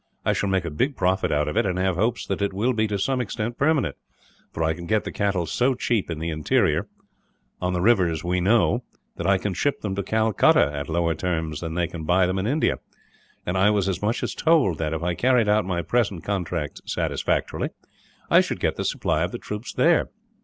I shall make a big profit out of it, and have hopes that it will be, to some extent, permanent; for I can get the cattle so cheap in the interior, on the rivers we know, that I can ship them to Calcutta at lower terms than they can buy them in India; and I was as much as told that, if I carried out my present contracts satisfactorily, I should get the supply of the troops there.